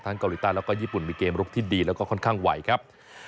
เกาหลีใต้แล้วก็ญี่ปุ่นมีเกมลุกที่ดีแล้วก็ค่อนข้างไวครับ